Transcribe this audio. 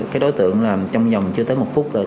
cái đối tượng là trong vòng chưa tới một phút rồi